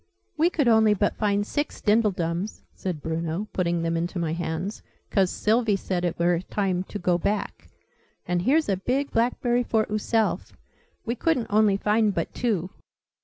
"We could only but find six dindledums," said Bruno, putting them into my hands, "'cause Sylvie said it were time to go back. And here's a big blackberry for ooself! We couldn't only find but two!"